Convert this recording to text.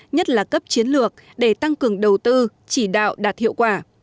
nhất là cấp chiến lược để tăng cường đầu tư chỉ đạo đạt hiệu quả